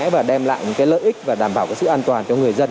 và đem lại cái lợi ích và đảm bảo cái sự an toàn cho người dân